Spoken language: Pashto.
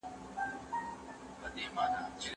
په وزارتونو کي باید حساب ورکول وي.